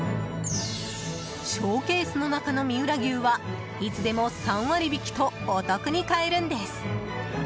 ショーケースの中の三浦牛はいつでも３割引とお得に買えるんです。